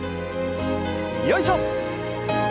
よいしょ！